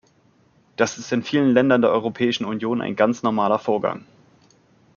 Das ist in vielen Ländern der Europäischen Union ein ganz normaler Vorgang.